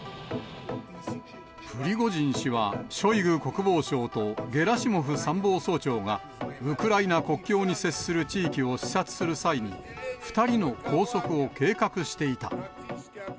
プリゴジン氏はショイグ国防相とゲラシモフ参謀総長が、ウクライナ国境に接する地域を視察する際に、２人の拘束を計画していた。